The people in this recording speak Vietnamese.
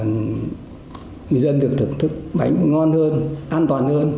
người dân được thưởng thức bánh ngon hơn an toàn hơn